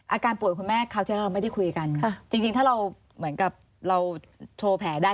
อาการป่วยคุณแม่คราวที่เราไม่ได้คุยกันค่ะจริงถ้าเราเหมือนกับเราโชว์แผลได้